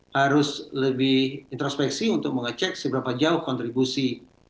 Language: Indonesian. harus lebih introspeksi untuk mengecek seberapa jauh kontribusi